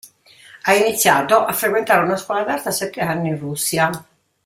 Ha iniziato a frequentare una scuola d'arte a sette anni in Russia.